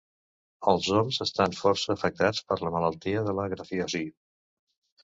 Els oms estan força afectats per la malaltia de la Grafiosi.